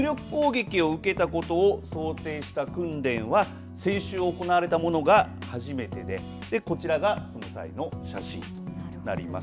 武力攻撃を受けたことを想定した訓練は先週、行われたものが初めてでこちらがその際の写真となります。